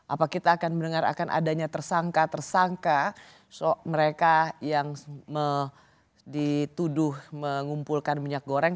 apa kita akan mendengar akan adanya tersangka tersangka mereka yang dituduh mengumpulkan minyak goreng